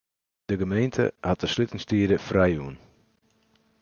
De gemeente hat de slutingstiden frijjûn.